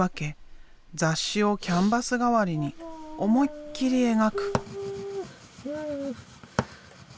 雑誌をキャンバス代わりに思いっきり描く！